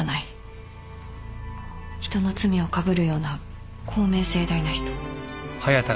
人の罪をかぶるような公明正大な人。